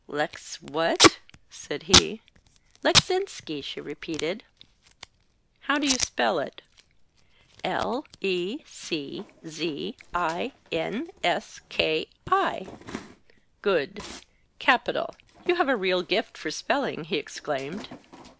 "Lecz what?" said he. "Leczinski," she repeated. "How do you spell it?" "L e c z i n s k i." "Good. Capital. You have a real gift for spelling," he exclaimed.